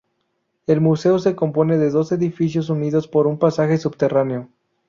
El museo se compone de dos edificios unidos por un pasaje subterráneo.